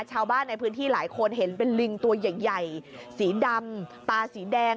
ชาวบ้านในพื้นที่หลายคนเห็นเป็นลิงตัวใหญ่สีดำตาสีแดง